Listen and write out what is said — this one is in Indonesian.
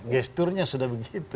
gesturnya sudah begitu